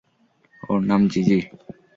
ওর নাম জিজি।